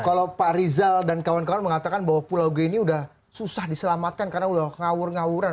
kalau pak rizal dan kawan kawan mengatakan bahwa pulau g ini sudah susah diselamatkan karena udah ngawur ngawuran